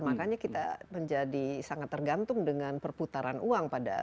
makanya kita menjadi sangat tergantung dengan perputaran uang pada